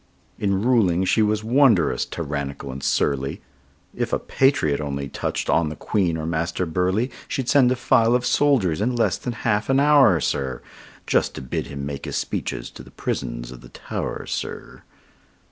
In ruling she was wonderous tyrannical and surly; If a patriot only touch'd on the Queen or Master Burleigh, She'd send a file of soldiers in less than half an hour, sir, Just to bid him make his speeches to the prisons of the Tow'r, sir!